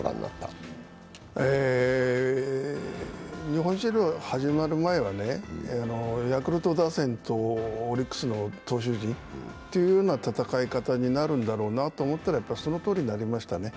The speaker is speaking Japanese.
日本シリーズ、始まる前はヤクルト打線とオリックスの投手陣という戦い方になるんだろうなと思ったら、やっぱり、そのとおりになりましたね。